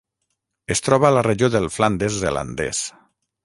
Es troba a la regió del Flandes zelandès.